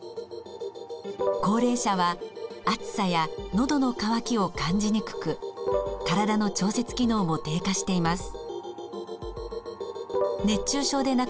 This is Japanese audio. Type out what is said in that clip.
高齢者は暑さやのどの渇きを感じにくく体の調節機能も低下しています。